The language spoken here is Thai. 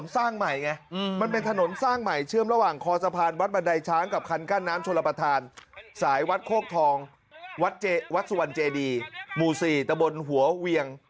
สายวัดโคกทองวัดสุวรรณเจดีหมู่๔ตะบนหัวเวียง